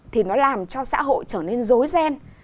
thì nó làm cho xã hội trở nên dối ghen